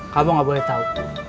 kamu nggak boleh tahu